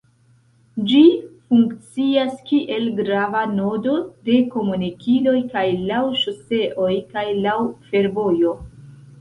Ĝi funkcias kiel grava nodo de komunikiloj kaj laŭ ŝoseoj kaj laŭ fervojo.